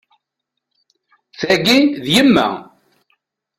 Tagi, d yemma.